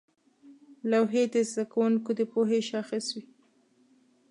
لوحې د زده کوونکو د پوهې شاخص وې.